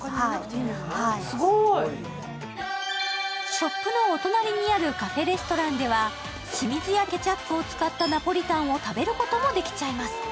ショップのお隣にあるカフェレストランでは清水屋ケチャップを使ったナポリタンを食べることもできちゃいます。